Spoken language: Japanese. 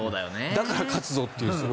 だから勝つぞという。